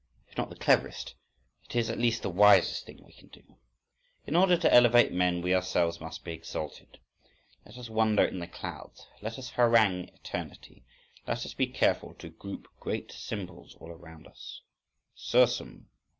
_—If not the cleverest, it is at least the wisest thing we can do. In order to elevate men we ourselves must be exalted. Let us wander in the clouds, let us harangue eternity, let us be careful to group great symbols all around us! _Sursum!